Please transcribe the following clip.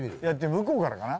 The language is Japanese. むこうからかな？